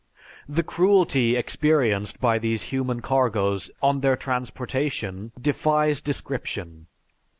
The cruelty experienced by these human cargoes on their transportation defies description.